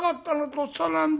とっさなんで。